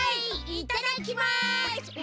いただきます！